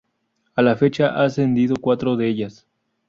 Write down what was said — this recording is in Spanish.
A la fecha, ha ascendido cuatro de ellas.